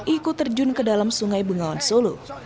ikut terjun ke dalam sungai bengawan solo